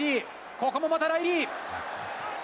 ここもまたライリー。